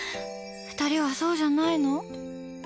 ２人はそうじゃないの？